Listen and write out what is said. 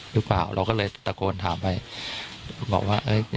เราก็เริ่มรู้แล้ว